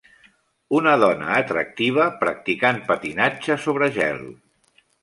Una dona atractiva practicant patinatge sobre gel.